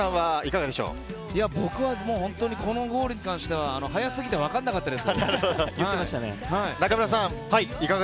僕はこのゴールに関しては、速過ぎて分かんなかったです。